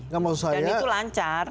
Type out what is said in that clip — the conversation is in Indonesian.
dan itu lancar